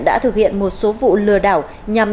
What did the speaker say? đã thực hiện một số vụ lừa đảo nhằm